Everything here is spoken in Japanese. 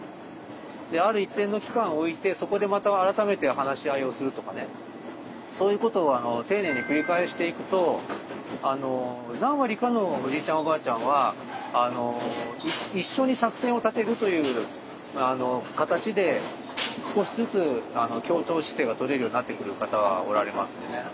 である一定の期間を置いてそこでまた改めて話し合いをするとかねそういうことを丁寧に繰り返していくと何割かのおじいちゃんおばあちゃんは一緒に作戦を立てるという形で少しずつ協調姿勢が取れるようになってくる方はおられますね。